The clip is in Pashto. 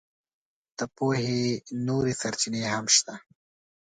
د پوهې نورې سرچینې هم شته.